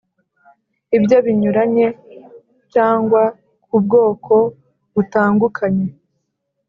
Ibyo Binyuranye cyangwa ku bwoko butangukanye